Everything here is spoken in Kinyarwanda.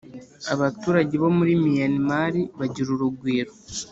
Abaturage bo muri miyanimari bagira urugwiro